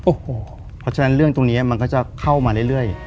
เพราะฉะนั้นเรื่องตรงนี้มันก็จะเข้ามาเรื่อย